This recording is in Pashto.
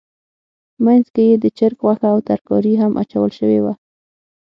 منځ کې یې د چرګ غوښه او ترکاري هم اچول شوې وه.